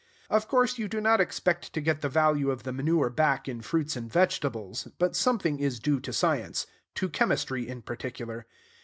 Of course you do not expect to get the value of the manure back in fruits and vegetables; but something is due to science, to chemistry in particular.